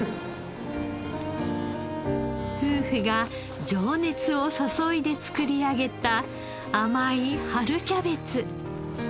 夫婦が情熱を注いで作り上げた甘い春キャベツ。